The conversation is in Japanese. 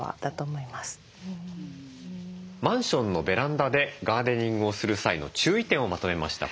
マンションのベランダでガーデニングをする際の注意点をまとめました。